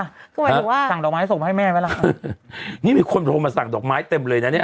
หมายถึงว่าสั่งดอกไม้ส่งมาให้แม่ไหมล่ะนี่มีคนโทรมาสั่งดอกไม้เต็มเลยนะเนี่ย